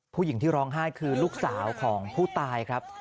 ผู้หญิงที่ร้องไห้คือลูกสาวของผู้ตายครับ